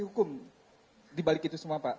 hukum dibalik itu semua pak